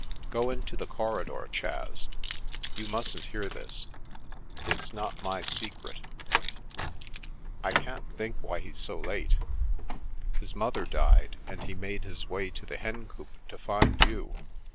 Go into the corridor, Chas; you mustn't hear this, it's not my secret. I can't think why he's so late. His mother died, and he made his way to the Hencoop to find you.